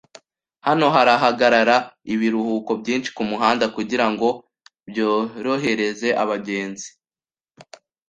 Hano harahagarara ibiruhuko byinshi kumuhanda kugirango byorohereze abagenzi.